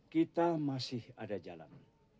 kita masih ada jalan